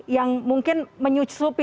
yang mungkin menyusupi